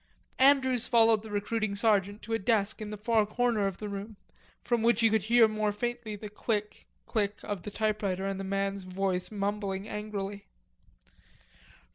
Andrews followed the recruiting sergeant to a desk in the far corner of the room, from which he could hear more faintly the click, click of the typewriter and the man's voice mumbling angrily.